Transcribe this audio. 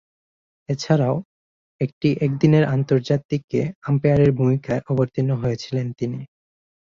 এছাড়াও, একটি একদিনের আন্তর্জাতিকে আম্পায়ারের ভূমিকায় অবতীর্ণ হয়েছিলেন তিনি।